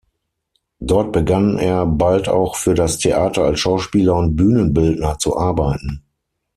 Dort begann er bald auch für das Theater als Schauspieler und Bühnenbildner zu arbeiten.